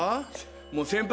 もう先輩